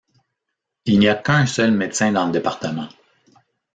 Il n'y a qu'un seul médecin dans le département.